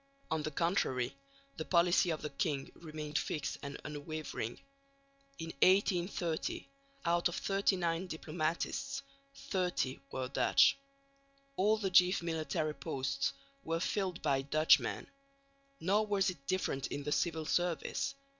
On the contrary, the policy of the king remained fixed and unwavering. In 1830 out of 39 diplomatists 30 were Dutch. All the chief military posts were filled by Dutchmen. Nor was it different in the civil service.